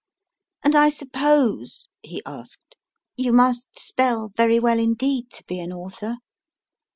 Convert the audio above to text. And I suppose, he asked, you must spell very well indeed to be an author.